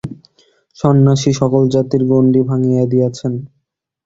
সন্ন্যাসী সকল জাতির গণ্ডী ভাঙিয়া দিয়াছেন।